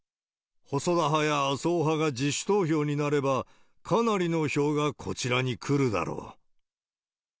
細田派や麻生派が自主投票になれば、かなりの票がこちらに来るだろう。